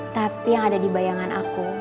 tapi yang ada di bayangan aku